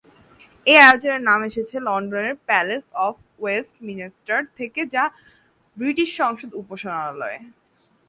এই আয়োজনের নাম এসেছে লন্ডনের "প্যালেস অফ ওয়েস্টমিনস্টার" থেকে, যা ব্রিটিশ সংসদ উপাসনালয়।